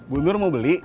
bu nur mau beli